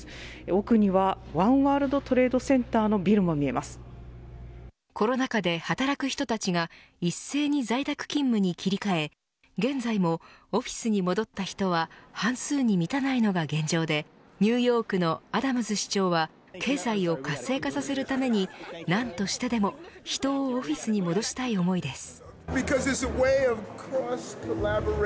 奥にはワンワールドトレードセンターのコロナ禍で働く人たちが一斉に在宅勤務に切り替え現在も、オフィスに戻った人は半数に満たないのが現状でニューヨークのアダムズ市長は経済を活性化させるために何としてでも人をオフィスに戻したい思いです。